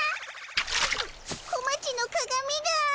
小町のかがみが。